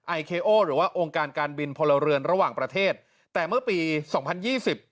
ไอเคโอหรือว่าองค์การการบินพลเรือนระหว่างประเทศแต่เมื่อปีสองพันยี่สิบ